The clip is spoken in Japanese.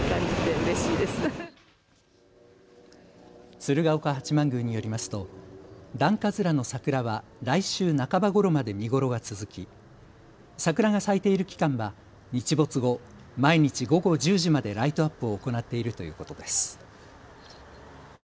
鶴岡八幡宮によりますと段葛の桜は来週半ばごろまで見頃が続き桜が咲いている期間は日没後、毎日午後１０時までライトアップを行っているということです。